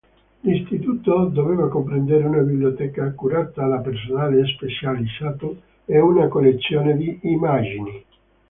L'Istituto doveva comprendere una biblioteca, curata da personale specializzato, e una collezione di immagini.